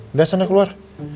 udah sana keluar